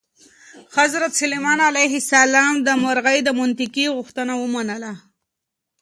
حضرت سلیمان علیه السلام د مرغۍ دا منطقي غوښتنه ومنله.